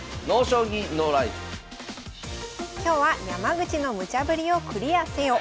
今日は「山口のムチャぶりをクリアせよ」。